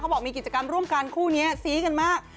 บอกมีกิจกรรมร่วมกันคู่นี้ซี้กันมาก